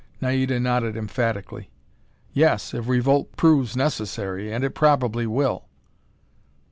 Naida nodded emphatically. "Yes, if revolt proves necessary. And it probably will."